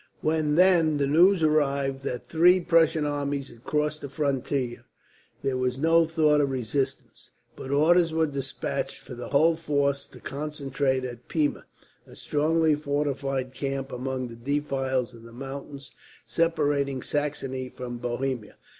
When, then, the news arrived that three Prussian armies had crossed the frontier, there was no thought of resistance; but orders were despatched for the whole force to concentrate at Pirna, a strongly fortified camp among the defiles of the mountains separating Saxony from Bohemia.